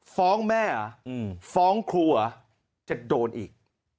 ฟ้องแม่อ่ะฟ้องครูอ่ะจะโดนอีก